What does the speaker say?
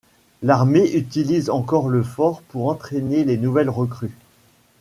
L'armée utilise encore le fort pour entraîner les nouvelles recrues.